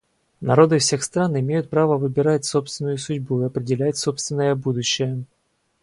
Народы всех стран имеют право выбирать собственную судьбу и определять собственное будущее.